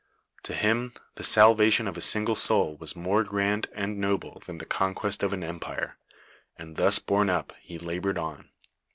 To liim the sixlvntion of a single soul was inuro grand and iiohlu than the conquest of an empire, and tlma borne up, lie labored on.